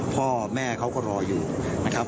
พ่อแม่เขาก็รออยู่นะครับ